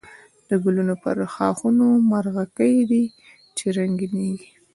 د گلونو پر ښاخونو مرغکۍ دی چی زنگېږی